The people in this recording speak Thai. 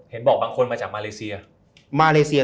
เห็นบอกบางคนมาจากมาเลเซีย